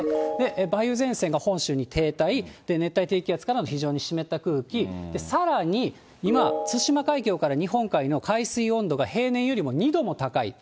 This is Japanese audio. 梅雨前線が本州に停滞、熱帯低気圧からの非常に湿った空気、さらに今、対馬海峡から日本海の海水温度が平年よりも２度も高い。